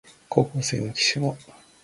高校生の浮島